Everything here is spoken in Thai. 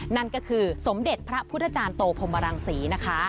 นั่นก็คือสมเด็จพระพุทธจารย์โตพรมรังศรีนะคะ